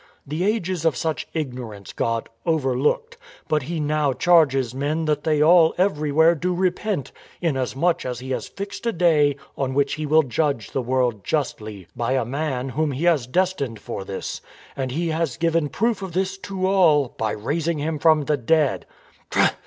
The ages of such ignorance God overlooked : but He now charges men that they all everywhere do repent, inas much as He has fixed a day on which He will judge the world justly by a Man whom He has destined for this. And He has given proof of this to all by raising Him from the dead."